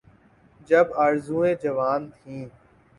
جب آرزوئیں جوان تھیں۔